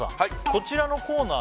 こちらのコーナー